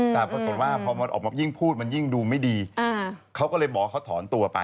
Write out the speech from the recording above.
แต่ปรากฏว่าพอมันออกมายิ่งพูดมันยิ่งดูไม่ดีเขาก็เลยบอกว่าเขาถอนตัวไป